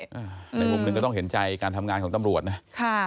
ในมุมหนึ่งก็ต้องเห็นใจการทำงานของตำรวจนะ